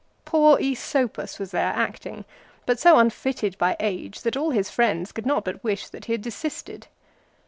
Poor JSsopus was there acting, but so unfitted by age that all his friends could not but wish that he had desisted.